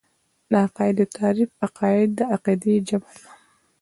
د عقايدو تعريف عقايد د عقيدې جمع ده .